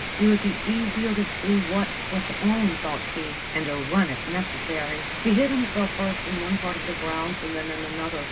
It would be easier to see what went on, thought he, and to run if necessary. He hid himself first in one part of the grounds and then in another.